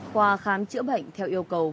khoa khám chữa bệnh theo yêu cầu